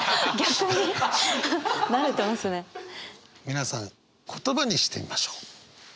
皆さん言葉にしてみましょう。